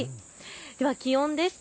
では気温です。